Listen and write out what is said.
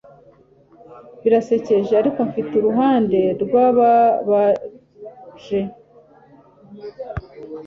birasekeje, ariko bifite uruhande rwababaje